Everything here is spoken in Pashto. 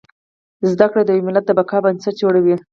زده کړه د يو ملت د بقا بنسټ جوړوي